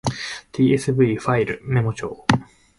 tsv ファイルメモ帳